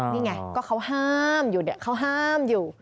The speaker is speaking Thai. นี่ไงก็ฮ่ามอยู่เขาฮ่ามอยู่